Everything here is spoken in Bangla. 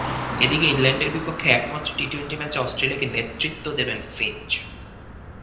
এদিকে, ইংল্যান্ডের বিপক্ষে একমাত্র টি টোয়েন্টি ম্যাচে অস্ট্রেলিয়াকে নেতৃত্ব দেবেন ফিঞ্চ।